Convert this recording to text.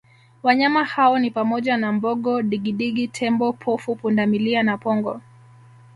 Wanyama hao ni pamoja na Mbogo Digidigi Tembo pofu Pundamilia na pongo